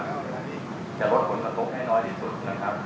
จะลดผลประตุกให้น้อยที่สุด